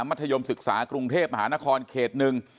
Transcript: มัธยมศึกษากรุงเทพฯมหานครเขต๑